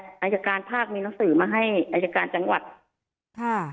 อายการภาคมีหนังสือมาให้อายการจังหวัดค่ะ